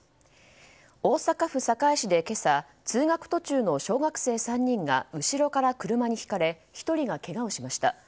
大阪府堺市で今朝通学途中の小学生３人が後ろから車にひかれ１人がけがをしました。